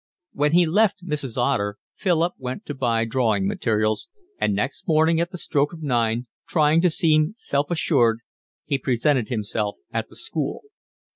When he left Mrs. Otter Philip went to buy drawing materials; and next morning at the stroke of nine, trying to seem self assured, he presented himself at the school.